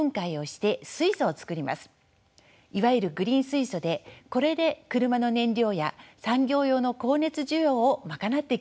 いわゆるグリーン水素でこれで車の燃料や産業用の光熱需要を賄っていくのです。